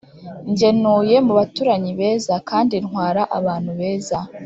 njye ntuye mubaturanyi beza kandi ntwara abantu neza